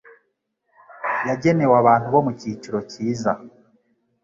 yagenewe abantu bo mu cyiciro cyiza